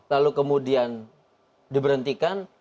lalu kemudian diberhentikan